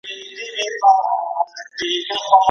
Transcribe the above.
چي پرون د آسیا زړه وو بلل سوی